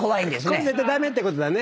これ絶対駄目ってことだね？